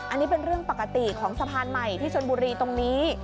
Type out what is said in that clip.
อันนี้เป็นเรื่องปกติของสะพานใหม่ที่ชนบุรีตรงนี้